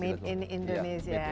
made in indonesia